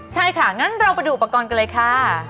ใช่ค่ะงั้นเราไปดูอุปกรณ์กันเลยค่ะ